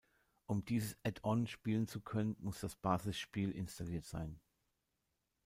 Um dieses Add-on spielen zu können, muss das Basisspiel installiert sein.